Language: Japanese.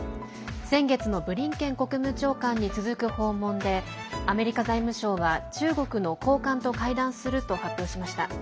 先月のブリンケン国務長官に続く訪問でアメリカ財務省は中国の高官と会談すると発表しました。